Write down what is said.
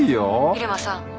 入間さん。